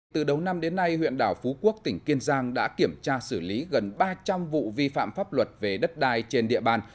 từ đầu năm đến nay huyện đảo phú quốc tỉnh kiên giang đã kiểm tra xử lý gần ba trăm linh vụ vi phạm pháp luật về đất đai trên địa bàn